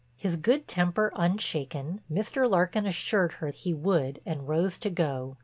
His good temper unshaken, Mr. Larkin assured her he would and rose to go.